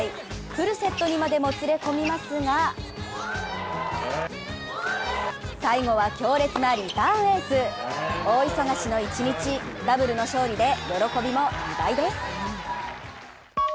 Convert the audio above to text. フルセットにまでもつれ込みますが最後は強烈なリターンエース大忙しの一日、ダブルの勝利で喜びも２倍です。